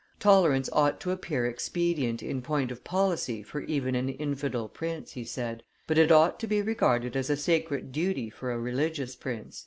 "Tolerance ought to appear expedient in point of policy for even an infidel prince," he said; "but it ought to be regarded as a sacred duty for a religious prince."